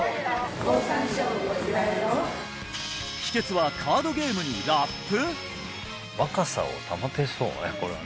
秘訣はカードゲームにラップ！？